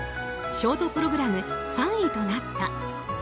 ショートプログラム３位となった。